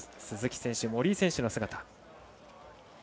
鈴木選手、森井選手の姿。